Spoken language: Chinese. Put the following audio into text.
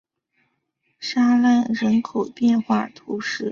沙赖人口变化图示